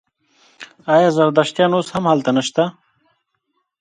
آیا زردشتیان اوس هم هلته نشته؟